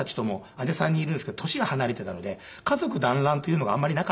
姉３人いるんですけど年が離れていたので家族だんらんっていうのがあんまりなかったんですね。